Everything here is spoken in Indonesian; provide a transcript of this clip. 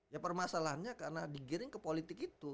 ya permasalahannya karena digiring ke politik itu